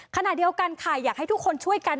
ขณะเดียวกันค่ะอยากให้ทุกคนช่วยกัน